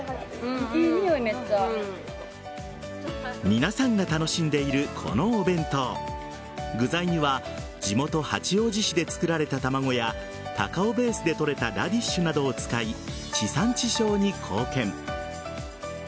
皆さんが楽しんでいるこのお弁当具材には地元・八王子市で作られた卵や高尾ベースで採れたラディッシュなどを使い地産地消に貢献。